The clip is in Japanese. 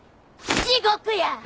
地獄や！